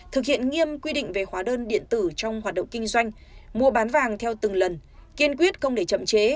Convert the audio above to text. thực hiện nghiêm quy định về hóa đơn điện tử trong hoạt động kinh doanh mua bán vàng theo từng lần kiên quyết không để chậm chế